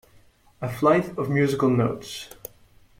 A flight of musical notes.